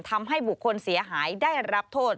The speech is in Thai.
ทำให้บุคคลเสียหายได้รับโทษ